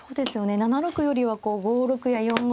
７六よりはこう５六や４五に。